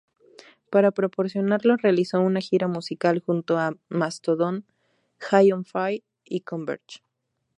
Para promocionarlo realizó una gira musical junto a Mastodon, High on Fire y Converge.